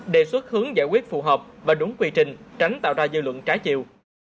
đề xuất hướng giải quyết phù hợp và đúng quy trình tránh tạo ra dư luận trái chiều